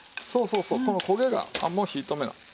そうそうそうこの焦げがあっもう火止めな。